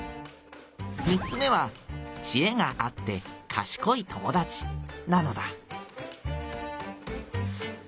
三つ目は知恵があってかしこい友だちなのだ」。